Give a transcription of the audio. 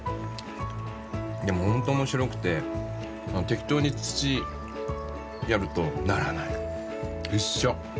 でも本当、おもしろくて、適当に土やるとならない、一緒。